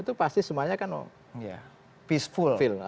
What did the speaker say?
itu pasti semuanya kan peaceful field